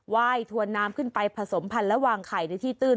ยถวนน้ำขึ้นไปผสมพันธ์และวางไข่ในที่ตื้น